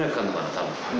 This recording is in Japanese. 多分。